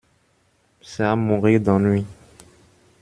C'est à mourir d'ennui.